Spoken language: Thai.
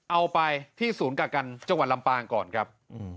เอาไปที่ศูนย์กักกันจังหวัดลำปางก่อนครับ